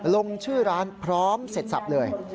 ลงชื่อร้านพร้อมเสร็จสับเลย